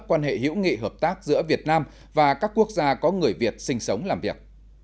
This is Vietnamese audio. quan hệ hữu nghị hợp tác giữa việt nam và các quốc gia có người việt sinh sống làm việc